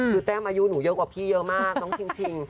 คือแต้มอายุหนูเยอะกว่าพี่เยอะมากน้องชิง